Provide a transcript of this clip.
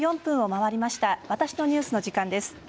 「わたしのニュース」の時間です。